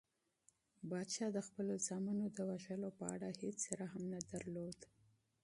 پادشاه د خپلو زامنو د وژلو په اړه هیڅ رحم نه درلود.